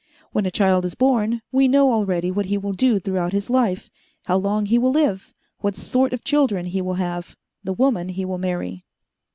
When a child is born, we know already what he will do throughout his life, how long he will live, what sort of children he will have, the woman he will marry.